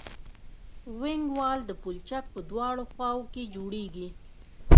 وینګ وال د پلچک په دواړو خواو کې جوړیږي